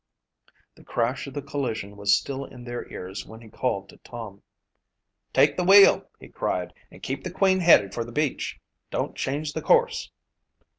The crash of the collision was still in their ears when he called to Tom. "Take the wheel," he cried, "and keep the Queen headed for the beach. Don't change the course."